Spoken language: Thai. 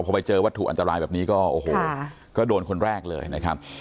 พอไปเจอวัตถุอันตรายแบบนี้ก็โอ้โหก็โดนคนแรกเลยนะครับ